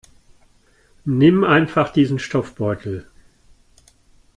Nimm einfach diesen Stoffbeutel.